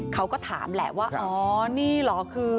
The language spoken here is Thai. เขาก็ถามแหละว่าอ๋อนี่เหรอคือ